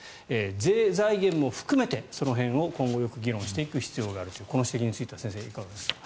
税財源も含めてその辺を今後よく議論していく必要があるというこの指摘については先生いかがですか？